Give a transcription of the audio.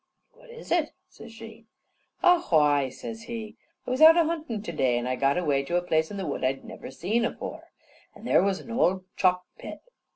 "What is it?" says she. "A why," says he, "I was out a huntin' to day, an' I got away to a place in the wood I'd never seen afore. An' there was an old chalk pit.